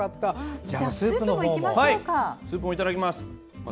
スープもいただきます。